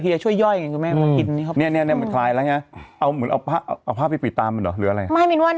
วิ่งวิ่งวิ่งไปช่วยไปตามคนมาช่วย